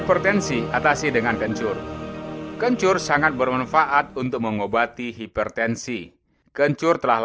kondensasi agar penyakit arove sehat juga bisa menurunkan tekanan darah